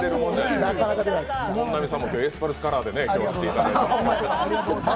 本並さんも今日はエスパルスカラーで来ていただきましてね。